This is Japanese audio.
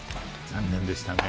残念でしたね。